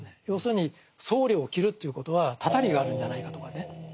要するに僧侶を斬るということはたたりがあるんじゃないかとかね。